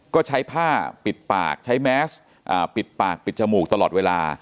ก็ใช้ผ้าปิดปากใช้แมสปิดปากปิดจมูกตลอดเวลา